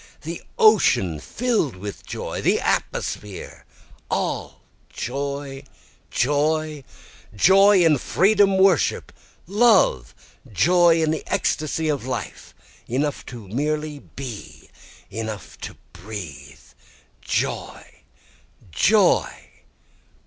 The ocean fill'd with joy the atmosphere all joy! Joy! joy! in freedom, worship, love! joy in the ecstasy of life! Enough to merely be! enough to breathe! Joy! joy!